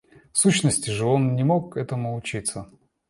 В сущности же он не мог этому учиться.